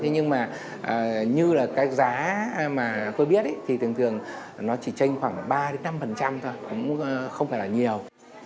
nhưng mà như là cái giá mà tôi biết thì thường thường nó chỉ tranh khoảng ba năm thôi cũng không phải là nhiều